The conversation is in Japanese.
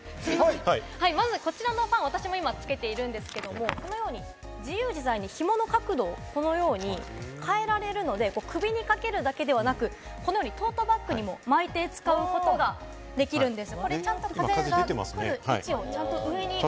まずこちらのファン、今、私がつけているんですけど、自由自在にひもの角度をこのように変えられるので、首にかけられるだけでなく、トートバッグにも巻いて使うことができるんです。